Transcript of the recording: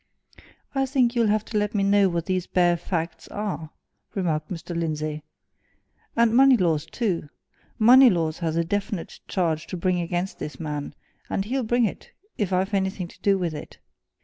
"I think you'll have to let me know what these bare facts are," remarked Mr. Lindsey. "And Moneylaws, too. Moneylaws has a definite charge to bring against this man and he'll bring it, if I've anything to do with it!